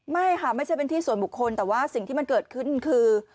ไม่ค่ะไม่ใช่เป็นที่ส่วนบุคคลแต่ว่าสิ่งที่มันเกิดขึ้นคือ